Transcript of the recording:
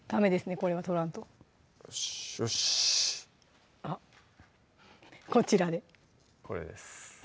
これは取らんとよしこちらでこれです